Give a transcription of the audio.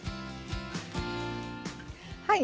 はい。